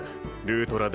ルートラ